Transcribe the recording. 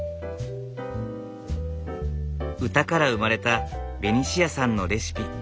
歌から生まれたベニシアさんのレシピ。